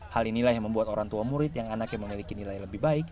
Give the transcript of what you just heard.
hal ini lah yang membuat orang tua murid yang anak yang memiliki nilai lebih baik